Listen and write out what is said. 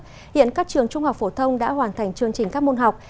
hiện các trường trung học phổ thông đã hoàn thành chương trình các môn học